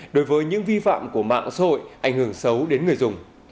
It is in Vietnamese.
đối với những vi phạm của mạng sội ảnh hưởng xấu đến người dùng